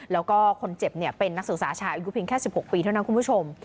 แล้วก็คนเจ็บเป็นนักศึกษาชายอายุเพียงแค่๑๖ปีเท่านั้นคุณผู้ชม